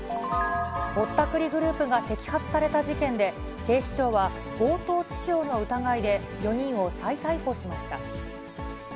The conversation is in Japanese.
ぼったくりグループが摘発された事件で、警視庁は、強盗致傷の疑いで、４人を再逮捕しました。